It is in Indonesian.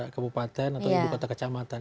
kabupaten atau ibu kota kecamatan